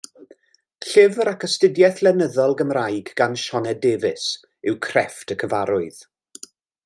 Llyfr ac astudiaeth lenyddol, Gymraeg gan Sioned Davies yw Crefft y Cyfarwydd.